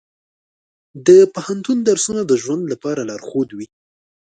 د پوهنتون درسونه د ژوند لپاره لارښود وي.